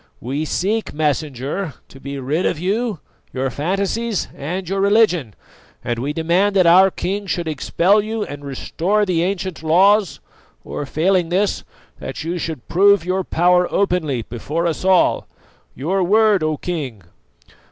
"We seek, Messenger, to be rid of you, your fantasies and your religion; and we demand that our king should expel you and restore the ancient laws, or failing this, that you should prove your power openly before us all. Your word, O King!"